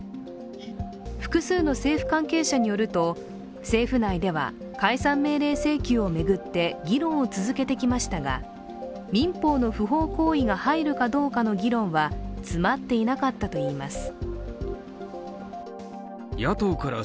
複数の政府関係者によると政府内では解散命令請求を巡って、議論を続けてきましたが民法の不法行為が入るかどうかの議論は詰まっていなかったといいます。